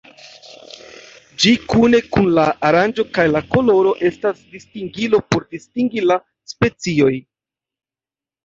Ĝi, kune kun la aranĝo kaj la koloro, estas distingilo por distingi la specioj.